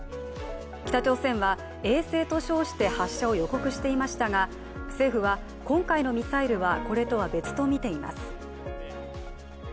北朝鮮は衛星と称して発射を予告していましたが政府は今回のミサイルはこれとは別とみています。